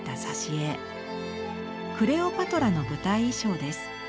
クレオパトラの舞台衣装です。